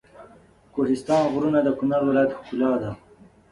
د کوهستان غرونه د کنړ ولایت ښکلا ده.